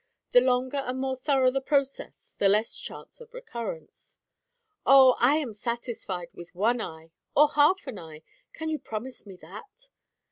The longer and more thorough the process, the less chance of recurrence." "Oh I am satisfied with one eye, or half an eye. Can you promise me that?"